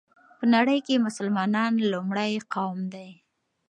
په نړۍ كې مسلمانان لومړى قوم دى